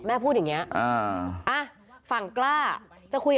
แม่พูดอย่างเนี้ย